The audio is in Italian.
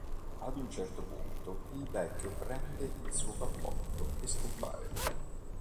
Ad un certo punto il vecchio prende il suo cappotto e scompare.